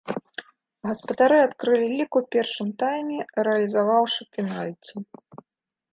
Гаспадары адкрылі лік у першым тайме, рэалізаваўшы пенальці.